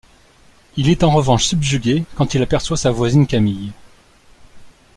Il est en revanche subjugué quand il aperçoit sa voisine Camille.